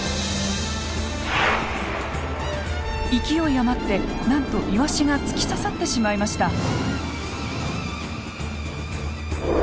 勢い余ってなんとイワシが突き刺さってしまいました。